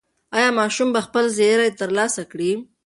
ایا ماشوم به خپل زېری ترلاسه کړي؟